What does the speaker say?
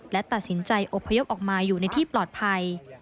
และตัดสินใจอบพยพออกมาอยู่ในที่ปลอดภัย